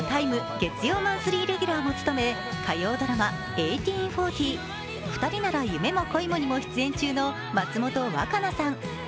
月曜マンスリーレギュラーも務め、火曜ドラマ「１８／４０ふたりなら夢も恋も」にも出演中の松本若菜さん。